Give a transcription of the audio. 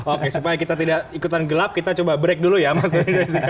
oke supaya kita tidak ikutan gelap kita coba break dulu ya mas denda